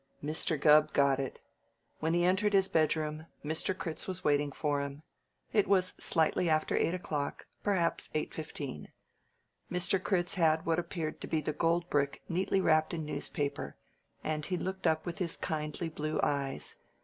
Mr. Gubb got it. When he entered his bedroom, Mr. Critz was waiting for him. It was slightly after eight o'clock; perhaps eight fifteen. Mr. Critz had what appeared to be the gold brick neatly wrapped in newspaper, and he looked up with his kindly blue eyes.